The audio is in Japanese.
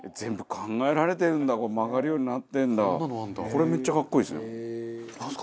これめっちゃ格好いいですね。